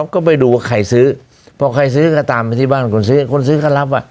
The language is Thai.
ก็ไปดูว่าใครซื้อพอใครซื้อก็ตามไปที่บ้านคนซื้อคนซื้อก็รับอ่ะ